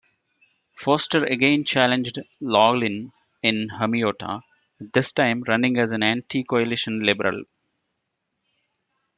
Foster again challenged Laughlin in Hamiota, this time running as an anti-coalition Liberal.